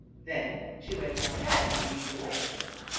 Then she went on ahead to lead the way.